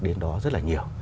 và bán đến đó rất là nhiều